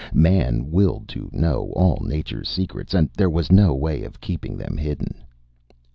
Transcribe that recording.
Man willed to know all nature's secrets, and there was no way of keeping them hidden.